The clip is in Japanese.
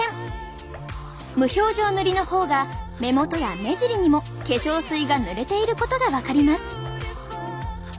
無表情塗りの方が目元や目尻にも化粧水が塗れていることが分かります。